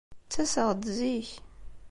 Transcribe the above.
Ttaseɣ-d zik.